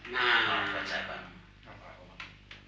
nah pak saiban